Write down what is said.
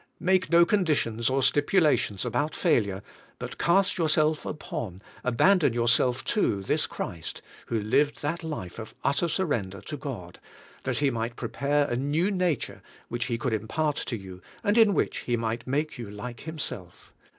Make no conditions or stipulations about failure, but cast j^ourself upon, abandon yourself to this Christ who lived that life of utter surrender to God that He might pre pare a new nature which He could impart to you and in which He might make you like Himself.